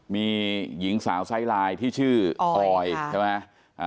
มีหญิงสาวไซส์ลายที่ชื่อออยใช่ไหม